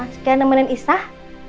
sekian nemenin isah